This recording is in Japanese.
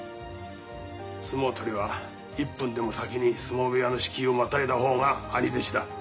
相撲取りは１分でも先に相撲部屋の敷居をまたいだ方が兄弟子だ。